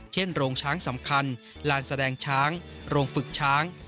โรงช้างสำคัญลานแสดงช้างโรงฝึกช้าง